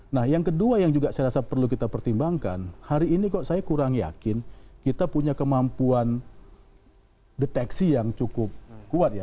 nah yang kedua yang juga saya rasa perlu kita pertimbangkan hari ini kok saya kurang yakin kita punya kemampuan deteksi yang cukup kuat ya